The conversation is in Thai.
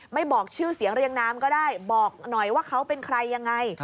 บอกชื่อเสียงเรียงน้ำก็ได้บอกหน่อยว่าเขาเป็นใครยังไง